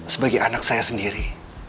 sebagai anak saya sendiri